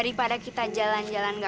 seblack iqbal ini judulnya aga